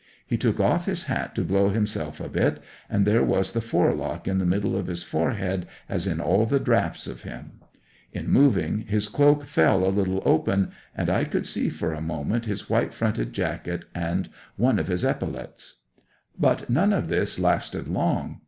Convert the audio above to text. He took off his hat to blow himself a bit, and there was the forelock in the middle of his forehead, as in all the draughts of him. In moving, his cloak fell a little open, and I could see for a moment his white fronted jacket and one of his epaulets. 'But none of this lasted long.